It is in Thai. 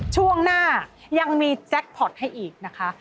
ช่วงหน้ายังมีแจ็คพอร์ตให้อีกนะคะ